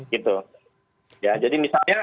gitu ya jadi misalnya